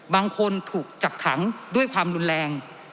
บางคนถูกจับขังด้วยความรุนแรง